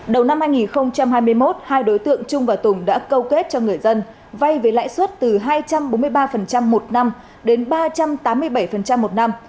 đầu năm hai nghìn hai mươi một hai đối tượng trung và tùng đã câu kết cho người dân vay với lãi suất từ hai trăm bốn mươi ba một năm đến ba trăm tám mươi bảy một năm